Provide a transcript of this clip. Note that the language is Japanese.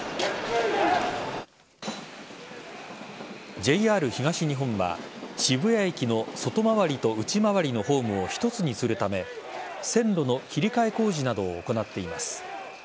ＪＲ東日本は渋谷駅の外回りと内回りのホームを１つにするため線路の切り替え工事などを行っています。